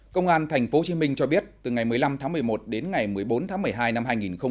công an tp hcm cho biết từ ngày một mươi năm tháng một mươi một đến ngày một mươi bốn tháng một mươi hai năm hai nghìn hai mươi